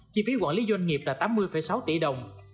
chi phí quản lý doanh nghiệp là tám mươi sáu tỷ đồng